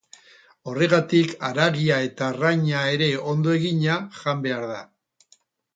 Horregatik, haragia eta arraina ere ondo egina jan behar da.